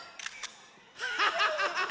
ハハハハハ！